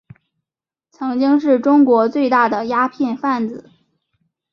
曾经是中国最大的鸦片贩子。